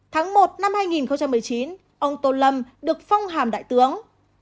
tháng một năm hai nghìn một mươi chín ông tôn lâm được phong hàm đại tướng